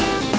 ya itu dia